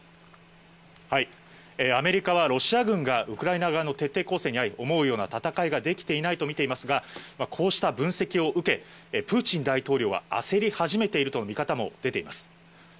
アメリカは、ロシア軍がウクライナ側の徹底抗戦に遭い、思うような戦いができていないと見ていますが、こうした分析を受け、プーチン大統領は焦り始めているとの見方も出ています。